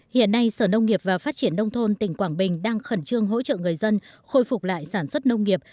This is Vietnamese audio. hiện nay sở nông nghiệp và phát triển nông thôn tỉnh quảng bình đang khẩn trương hỗ trợ người dân khôi phục lại sản xuất nông nghiệp